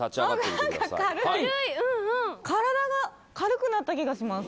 何か軽い体が軽くなった気がします